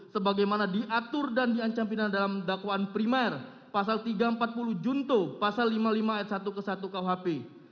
sebagaimana diatur dan diancam pidana dalam dakwaan primer pasal tiga ratus empat puluh junto pasal lima puluh lima r satu ke satu khp